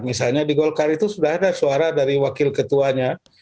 misalnya di golkar itu sudah ada suara dari wakil ketuanya